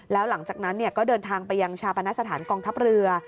แล้วหลังจากนั้นก็เดินทางไปยังชาปณสถานกองทัพเรือ